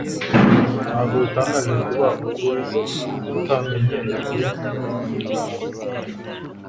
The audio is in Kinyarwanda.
Ntabwo bitangaje kuba ukuri kutamenyerewe kuruta ibihimbano.